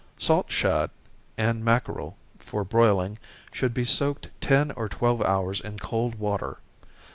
Salt shad and mackerel, for broiling, should be soaked ten or twelve hours in cold water.